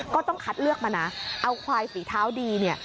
ก็ต้องคัดเลือกมานะเอาควายฝีเท้าดีเนี่ย